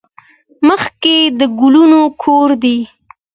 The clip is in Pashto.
مځکه د ګلونو کور ده.